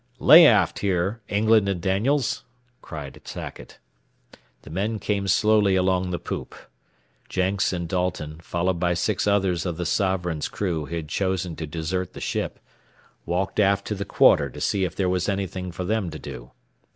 "Lay aft, here, England and Daniels," cried Sackett. The men came slowly along the poop. Jenks and Dalton, followed by six others of the Sovereign's crew who had chosen to desert the ship, walked aft to the quarter to see if there was anything for them to do.